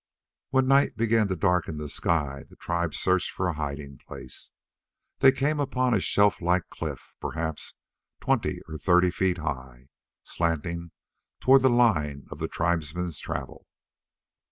When night began to darken the sky, the tribe searched for a hiding place. They came upon a shelf like cliff, perhaps twenty or thirty feet high, slanting toward the line of the tribesmen's travel.